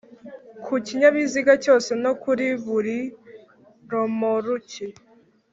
Ku kinyabiziga cyose no kuri buri romoruki